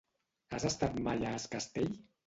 Has estat mai a Es Castell?